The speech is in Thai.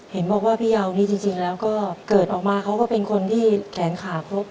เห็นบอกว่าพี่เยานี่จริงแล้วก็เกิดออกมาเขาก็เป็นคนที่แขนขาครบ